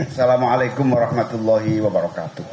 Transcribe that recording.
assalamu'alaikum warahmatullahi wabarakatuh